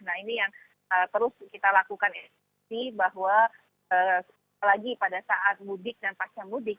nah ini yang terus kita lakukan bahwa apalagi pada saat mudik dan pasca mudik